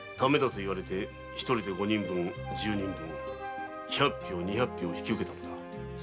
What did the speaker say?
言われて一人で五人分十人分百俵二百俵と引き受けたのだ。